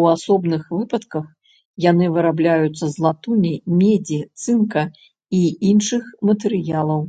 У асобных выпадках яны вырабляюцца з латуні, медзі, цынка і іншых матэрыялаў.